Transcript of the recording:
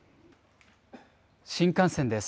新幹線です。